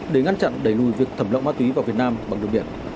để ngăn chặn đẩy lùi việc thẩm lộng ma túy vào việt nam bằng đường biển